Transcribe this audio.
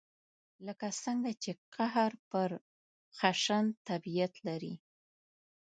لکه څنګه چې قهر پر خشن طبعیت لري.